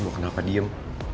lo kenapa diem